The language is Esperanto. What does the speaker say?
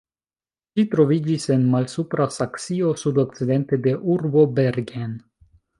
Ĝi troviĝis en Malsupra Saksio sudokcidente de urbo Bergen.